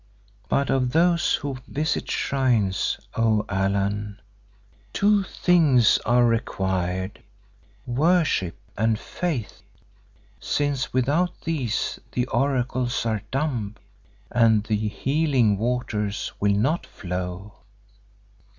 But of those who visit shrines, O Allan, two things are required, worship and faith, since without these the oracles are dumb and the healing waters will not flow.